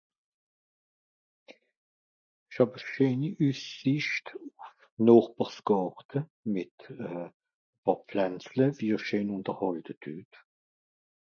Ich hàb e scheeni Üssicht uf Noochbersgààrte mit euh pààr Pflënzle, wie er scheen underhàlte düet.